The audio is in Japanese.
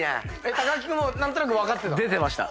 木君も何となく分かってた？